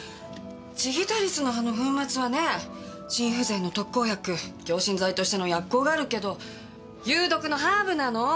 ジギタリスの葉の粉末はね心不全の特効薬強心剤としての薬効があるけど有毒のハーブなの！